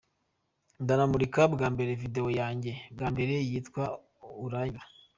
Ndanamurika bwa mbere video yanjye bwa mbere yitwa ‘Uranyura’.